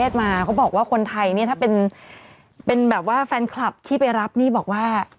เขาบอกว่าคนไทยเนี่ยถ้าเป็นแบบว่าแฟนคลับที่ไปรับนี่บอกว่า